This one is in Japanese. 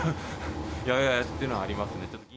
やばい、やばいっていうのはありますね。